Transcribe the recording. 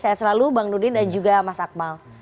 saya selalu bang nurin dan juga mas akmal